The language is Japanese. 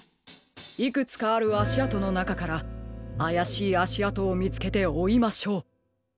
いくつかあるあしあとのなかからあやしいあしあとをみつけておいましょう。